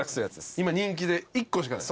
今人気で１個しかない。